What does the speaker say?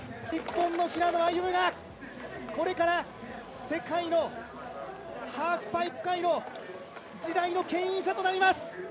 日本の平野歩夢が、これから、世界のハーフパイプ界の時代のけん引者となります。